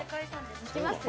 いきますよ。